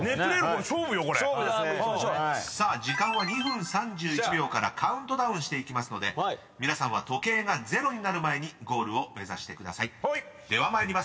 ［さあ時間は２分３１秒からカウントダウンしていきますので皆さんは時計がゼロになる前にゴールを目指してください］